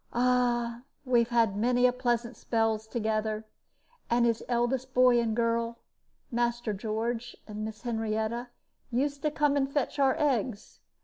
Ah, we have had many pleasant spells together; and his eldest boy and girl, Master George and Miss Henrietta, used to come and fetch our eggs.